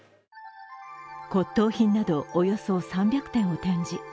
骨とう品など、およそ３００点を展示。